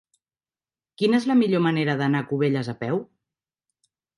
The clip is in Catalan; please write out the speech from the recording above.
Quina és la millor manera d'anar a Cubelles a peu?